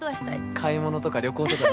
買い物とか旅行とかな。